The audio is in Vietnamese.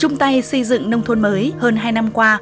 hay xây dựng nông thôn mới hơn hai năm qua